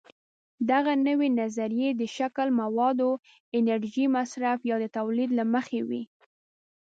دغه نوې نظریې د شکل، موادو، انرژۍ مصرف یا د تولید له مخې وي.